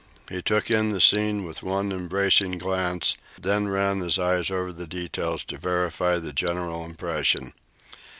He took in the scene with one embracing glance, then ran his eyes over the details to verify the general impression.